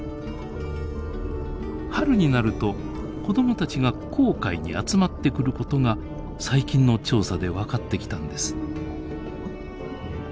春になると子供たちが紅海に集まってくることが最近の調査で分かってきたんです。